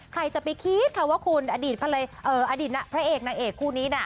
ใครจะไปคิดว่าคุณอดีตพระเอกนางเอกคู่นี้